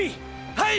はい！！